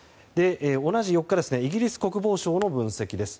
同じ４日イギリス国防省の分析です。